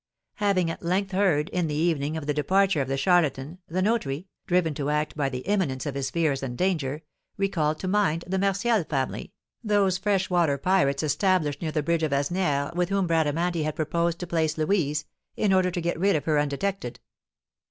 Having at length heard, in the evening, of the departure of the charlatan, the notary, driven to act by the imminence of his fears and danger, recalled to mind the Martial family, those freshwater pirates established near the bridge of Asnières, with whom Bradamanti had proposed to place Louise, in order to get rid of her undetected.